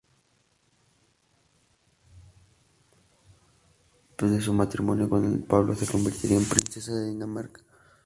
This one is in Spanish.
Desde su matrimonio con el Pablo se convertiría en princesa de Dinamarca.